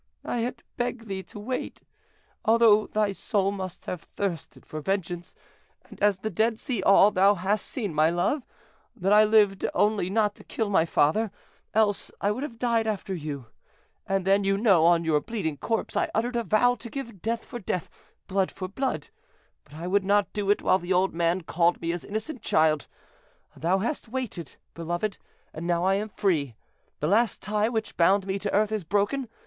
"I had begged thee to wait, although thy soul must have thirsted for vengeance; and as the dead see all, thou hast seen, my love, that I lived only not to kill my father, else I would have died after you; and then, you know, on your bleeding corpse I uttered a vow to give death for death, blood for blood, but I would not do it while the old man called me his innocent child. Thou hast waited, beloved, and now I am free: the last tie which bound me to earth is broken.